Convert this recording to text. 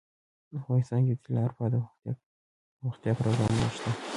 افغانستان کې د طلا لپاره دپرمختیا پروګرامونه شته.